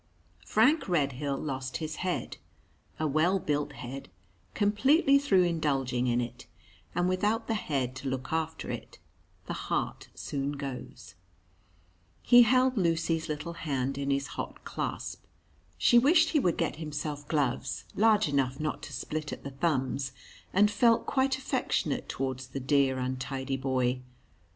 Frank Redhill lost his head a well built head completely through indulging in it; and without the head to look after it, the heart soon goes. He held Lucy's little hand in his hot clasp. She wished he would get himself gloves large enough not to split at the thumbs, and felt quite affectionate towards the dear, untidy boy.